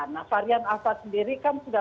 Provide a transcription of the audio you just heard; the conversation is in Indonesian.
nah varian alfa sendiri kan sudah